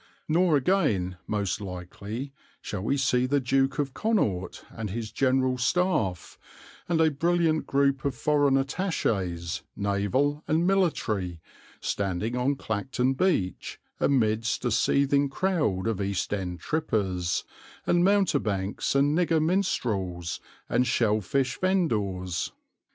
Nor again, most likely, shall we see the Duke of Connaught and his General Staff, and a brilliant group of foreign attachés, naval and military, standing on Clacton beach amidst a seething crowd of East End trippers, and mountebanks, and nigger minstrels, and shell fish vendors.